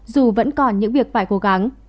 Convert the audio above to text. dù vẫn còn những việc phải cố gắng